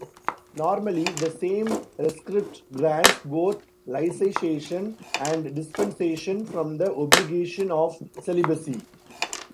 Normally, the same rescript grants both laicization and dispensation from the obligation of celibacy.